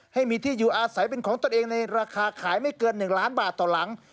ให้มีที่อยู่อาศัยเป็นของตนเองในราคาขายไม่เกิน๑ล้านบาทต่อหลัง